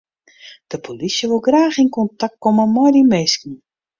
De polysje wol graach yn kontakt komme mei dy minsken.